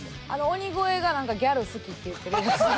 鬼越がギャル好きって言ってるやつとか。